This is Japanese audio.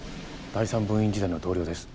第三分院時代の同僚です。